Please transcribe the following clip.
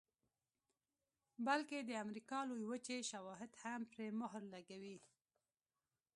بلکې د امریکا لویې وچې شواهد هم پرې مهر لګوي